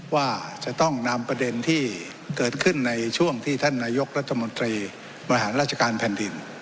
ว่าจะต้องนำประเด็นที่เกิดขึ้นในช่วงที่ท่านนายกรัฐมนตรีบริหารราชการแผ่นดิน